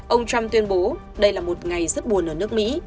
ông trump tuyên bố đây là một ngày rất buồn ở nước mỹ